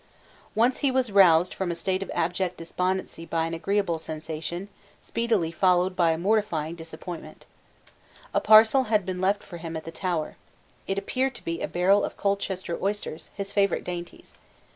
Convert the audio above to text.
Once he was roused from a state of abject despondency by an agreeable sensation, speedily followed by a mortifying disappointment. A parcel had been left for him at the Tower. It appeared to be a barrel of Colchester oysters, his favourite dainties.